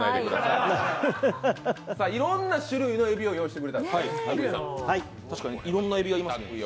いろんな種類のエビを用意してくれたんですね。